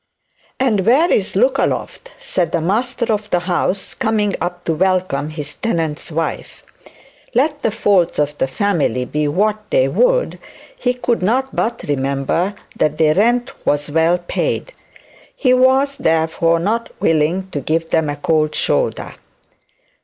'And where's Lookaloft,' said the master of the house, coming up to welcome his tenant's wife. Let the faults of the family be what they would, he could not but remember that their rent was well paid; he was therefore not willing to give them a cold shoulder.